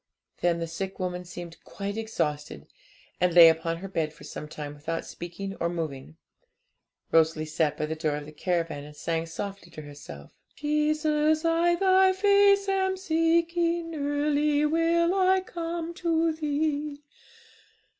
Then the sick woman seemed quite exhausted, and lay upon her bed for some time without speaking or moving. Rosalie sat by the door of the caravan, and sang softly to herself 'Jesus, I Thy face am seeking, Early will I come to Thee.'